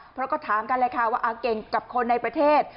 เพราะก็ถามกันแหละค่ะว่าอังกษัตริย์เกรงกับคนในประเทศ